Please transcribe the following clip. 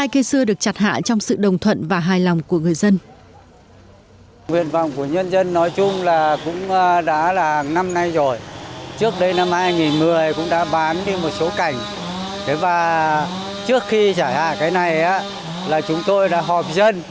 cây xưa được chặt hạ trong sự đồng thuận và hài lòng của người dân